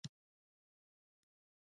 د کوکنارو کښت حرام دی؟